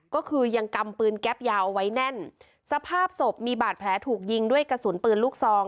ก็คือยังกำปืนแก๊ปยาวเอาไว้แน่นสภาพศพมีบาดแผลถูกยิงด้วยกระสุนปืนลูกซอง